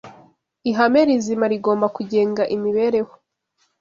ihame rizima rigomba kugenga imibereho